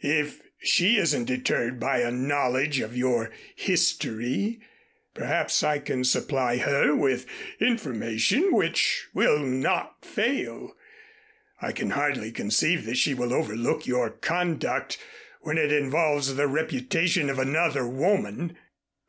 If she isn't deterred by a knowledge of your history, perhaps I can supply her with information which will not fail. I can hardly conceive that she will overlook your conduct when it involves the reputation of another woman!"